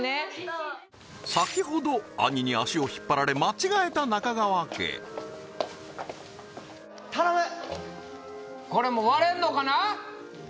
先ほど兄に足を引っ張られ間違えた中川家これも割れんのかな？